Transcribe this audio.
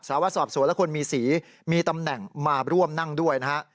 ว่าสอบสวนและคนมีสีมีตำแหน่งมาร่วมนั่งด้วยนะฮะ